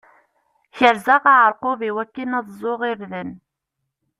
Kerzeɣ aɛerqub iwakken ad ẓẓuɣ irden.